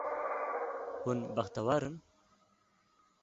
Hûn bextewar in?